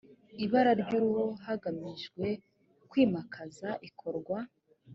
ibara ry uruhu hagamijwe kwimakaza ikorwa